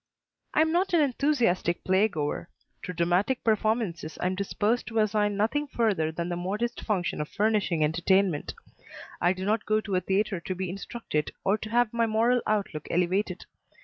I am not an enthusiastic play goer. To dramatic performances I am disposed to assign nothing further than the modest function of furnishing entertainment. I do not go to a theatre to be instructed or to have my moral outlook elevated.